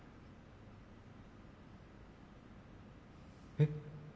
・えっ？